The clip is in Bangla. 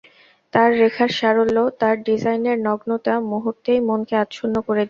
তার রেখার সারল্য, তার ডিজাইনের নগ্নতা মুহূর্তেই মনকে আচ্ছন্ন করে দিত।